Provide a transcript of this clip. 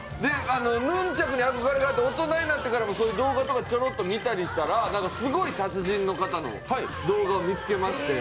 ヌンチャクに憧れがあって動画とかちょろっと見たら、すごい達人の方の動画を見つけまして。